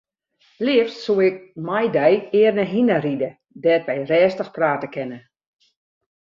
Leafst soe ik mei dy earne hinne ride dêr't wy rêstich prate kinne.